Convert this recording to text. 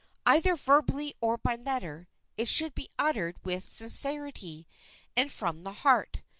either verbally or by letter, it should be uttered with sincerity, and from the heart.